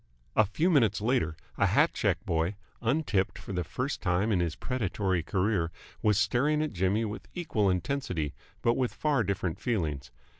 A few minutes later, a hat check boy, untipped for the first time in his predatory career, was staring at Jimmy with equal intensity, but with far different feelings.